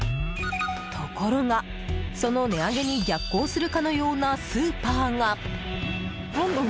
ところが、その値上げに逆行するかのようなスーパーが。